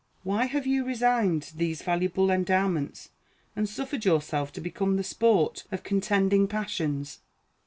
Why have you resigned these valuable endowments, and suffered yourself to become the sport of contending passions?